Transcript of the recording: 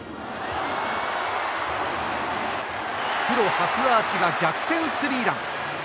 プロ初アーチが逆転スリーラン。